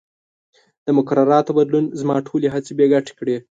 د مقرراتو بدلون زما ټولې هڅې بې ګټې کړې.